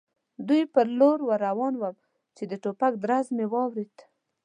دوی پر لور ور روان ووم، چې د ټوپک ډز مې واورېد.